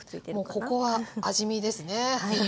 もうここは味見ですね。